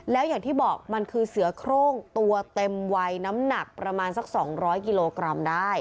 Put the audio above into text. แล้วอย่างที่บอกมันคือเสือโครงตัวเต็มวัยน้ำหนักประมาณสัก๒๐๐กิโลกรัมได้